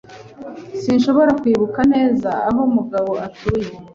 Sinshobora kwibuka neza aho Mugabo atuye.